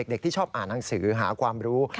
เด็กที่ชอบอ่านหนังสือหาความรู้